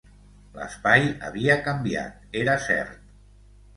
L'espai havia canviat, era cert.